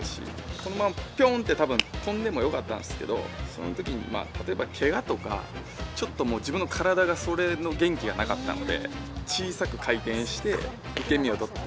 このままぴょんと跳んでも良かったんですけどそのときに、例えばけがとかちょっと自分の体がそれの元気がなかったので、小さく回転して受け身を取って。